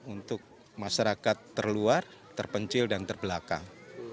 untuk masyarakat terluar terpencil dan terbelakang